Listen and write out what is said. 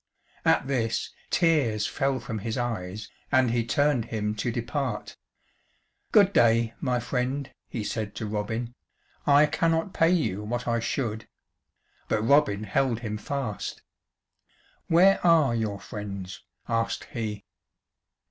At this tears fell from his eyes, and he turned him to depart. "Good day, my friend," he said to Robin, "I cannot pay you what I should " But Robin held him fast. "Where are your friends?" asked he.